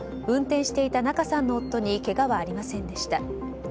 運転していた中さんの夫にけがはありませんでした。